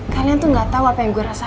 kalian tuh gak tau apa yang gue rasain